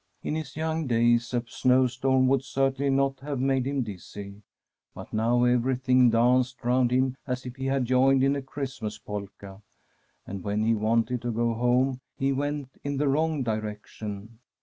In his young days a snowstorm would certainly not have made him dizzy. But now everything danced round him as if he had joined in a Christmas polka, and when he wanted to go home he went in the wrong direction.